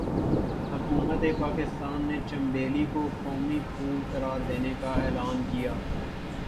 حکومتِ پاکستان نے 'چنبیلی' کو ملک کا قومی پھول قرار دینے کا اعلان کیا۔